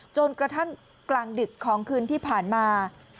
จนกระทั่งกลางดึกของคืนที่ผ่านมา